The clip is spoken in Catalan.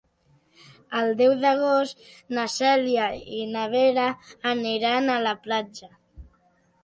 El deu d'agost na Cèlia i na Vera aniran a la platja.